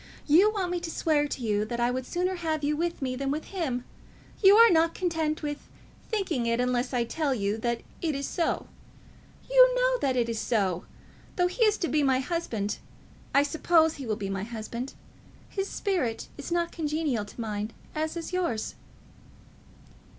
You want me to swear to you that I would sooner have you with me than him. You are not content with thinking it, unless I tell you that it is so. You know that it is so. Though he is to be my husband, I suppose he will be my husband, his spirit is not congenial to mine, as is yours."